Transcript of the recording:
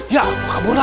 ya aku kabur lagi